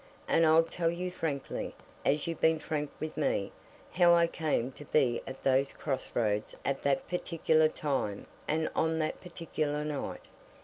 And I'll tell you frankly, as you've been frank with me, how I came to be at those cross roads at that particular time and on that particular night.